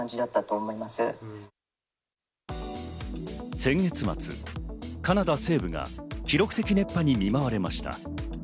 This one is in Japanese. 先月末、カナダ西部が記録的熱波に見舞われました。